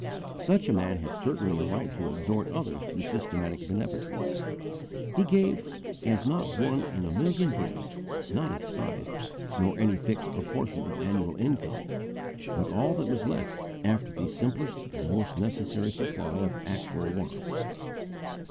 Such a man had certainly a right to exhort others to systematic beneficence. He gave as not one in a million gives not a tithe, not any fixed proportion of annual income, but all that was left after the simplest and most necessary supply of actual wants.